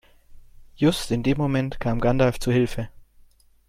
Just in dem Moment kam Gandalf zu Hilfe.